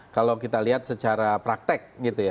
kalau kita lihat secara praktek